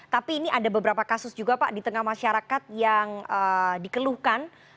tapi ini ada beberapa kasus juga pak di tengah masyarakat yang dikeluhkan